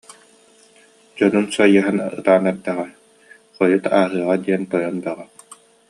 Дьонун сайыһан ытаан эрдэҕэ, хойут ааһыаҕа диэн тойон бөҕөх